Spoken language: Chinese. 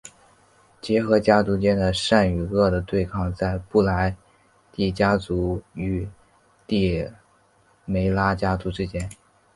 结合家族间的善与恶的对抗在布莱帝家族与帝梅拉家族之间。